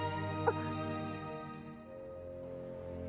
あっ！